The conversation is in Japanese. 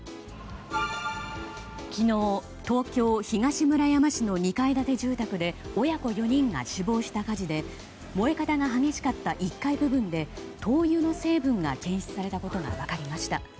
昨日、東京・東村山市の２階建て住宅で親子４人が死亡した火事で燃え方が激しかった１階部分で灯油の成分が検出されたことが分かりました。